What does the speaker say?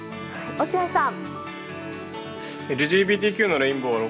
落合さん。